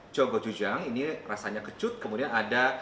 jogo jujang ini rasanya kecut kemudian ada